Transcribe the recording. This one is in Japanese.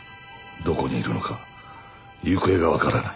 どこにいるのか行方が分からない。